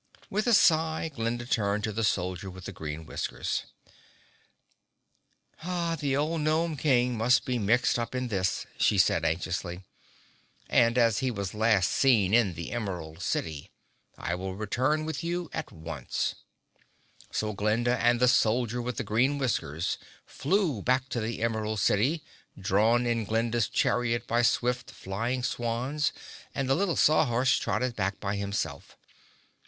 With a sigh, Glinda turned to the Soldier with the Green Whiskers. [Illustration: "Ruggedo Has Something on His Mind," Read Glinda] "The old Gnome King must be mixed up in this," she said anxiously, "and as he was last seen in the Emerald City, I will return with you at once." So Glinda and the Soldier with the Green Whiskers flew back to the Emerald City drawn in Glinda's chariot by swift flying swans and the little Saw Horse trotted back by himself.